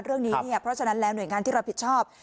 เรื่องนี้เนี่ยเพราะฉะนั้นแล้วหน่วยงานที่รับผิดชอบ